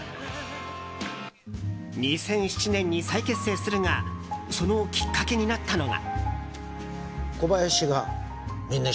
２００７年に再結成するがそのきっかけになったのが。